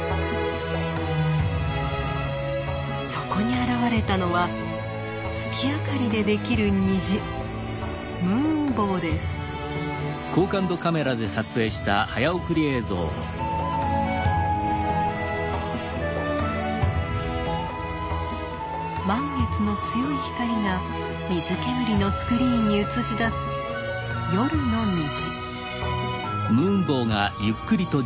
そこに現れたのは月明かりでできる虹満月の強い光が水煙のスクリーンに映し出す夜の虹。